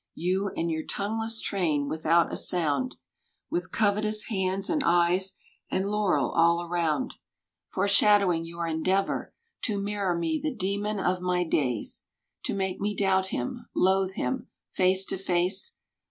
You and your tongueless train without a sound, With covetous hands and eyes and laurel all around. Foreshowing your endeavor To mirror me the demon of my days. To make me doubt him, loathe him, face to face.